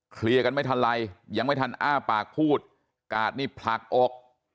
เคลียร์กันไม่ทันไรยังไม่ทันอ้าปากพูดกาดนี่ผลักอก